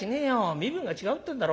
身分が違うってんだろ。